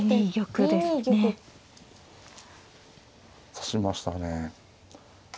指しましたね。